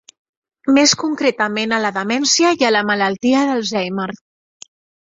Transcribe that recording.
Més concretament a la demència i a la Malaltia d'Alzheimer.